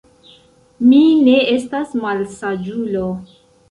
Mi ne estas malsaĝulo.